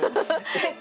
えっ！？